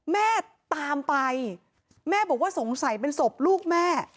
แม่ตามไปแม่บอกว่าสงสัยเป็นศพลูกแม่